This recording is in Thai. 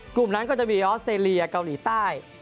กลุ่มนั้นก็จะมีออสเตรเลียเกาหลีใต้